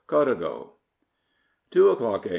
CODAGO. Two o'clock A.